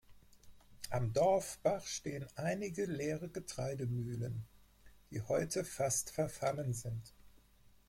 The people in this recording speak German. Am Dorfbach stehen einige leere Getreidemühlen, die heute fast verfallen sind.